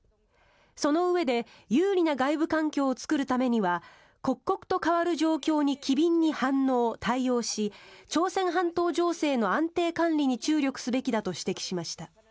そのうえで有利な外部環境を作るためには刻々と変わる状況に機敏に反応・対応し朝鮮半島情勢の安定管理に注力すべきだと指摘しました。